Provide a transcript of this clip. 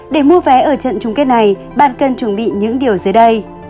để mua vé ở trận chung kết này bạn cần chuẩn bị những điều dưới đây